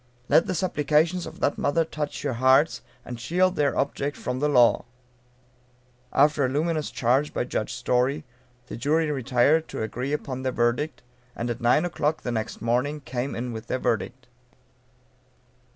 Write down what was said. Let the supplications of that mother touch your hearts, and shield their object from the law. After a luminous charge by Judge Story, the jury retired to agree upon their verdict, and at 9 o'clock the next morning came in with their verdict.